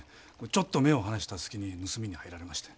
ちょっと目を離したすきに盗みに入られまして。